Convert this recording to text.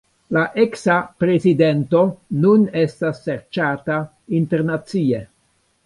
La eksa prezidento nun estas serĉata internacie.